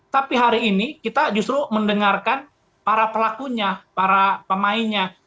tapi hari ini kita justru mendengarkan para pelakunya para pemainnya